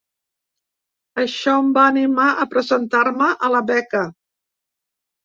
Això em va animar a presentar-me a la beca.